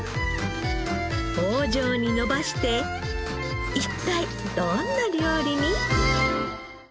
棒状に延ばして一体どんな料理に？